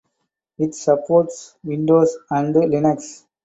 It supports Windows and Linux.